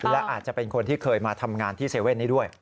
และอาจจะเป็นคนที่เคยมาทำงานที่๗๑๑นี้ด้วย